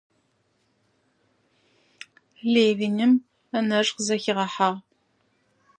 Левин нахмурился.